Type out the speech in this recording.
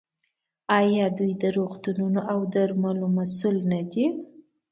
آیا دوی د روغتونونو او درملو مسوول نه دي؟